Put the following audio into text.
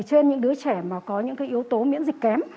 trên những đứa trẻ mà có những yếu tố miễn dịch kém